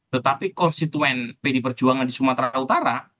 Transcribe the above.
tetapi konstituen pd perjuangan di sumatera utara